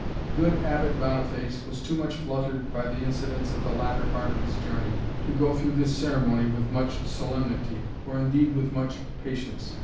Good Abbot Boniface was too much fluttered by the incidents of the latter part of his journey, to go through this ceremony with much solemnity, or indeed with much patience.